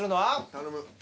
頼む。